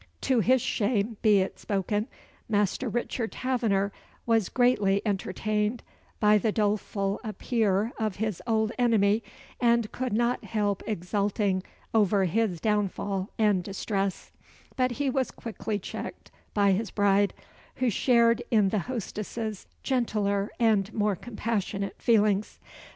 To his shame be it spoken, Master Richard Taverner was greatly entertained by the doleful appear of his old enemy, and could not help exulting over his downfall and distress; but he was quickly checked by his bride, who shared in the hostess's gentler and more compassionate feelings.